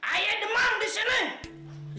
ayat demam di sini